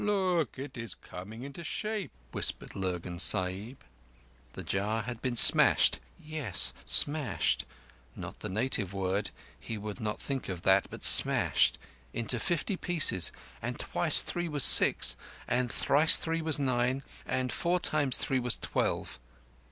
"Look! It is coming into shape," whispered Lurgan Sahib. The jar had been smashed—yess, smashed—not the native word, he would not think of that—but smashed—into fifty pieces, and twice three was six, and thrice three was nine, and four times three was twelve.